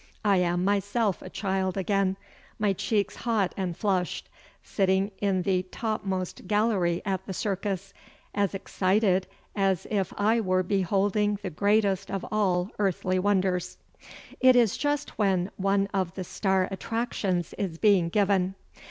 I am myself a child again, my cheeks hot and flushed, sitting in the topmost gallery at the Circus, as excited as if I were beholding the greatest of all earthly wonders. It is just when one of the star attractions is being given.